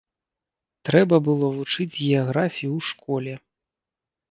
Трэба было вучыць геаграфію ў школе.